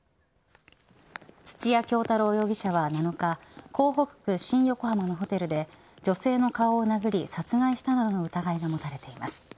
土屋京多郎容疑者は７日港北区新横浜のホテルで女性の顔を殴り殺害したなどの疑いが持たれています。